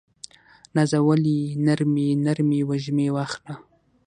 نازولې نرمې، نرمې وږمې واخله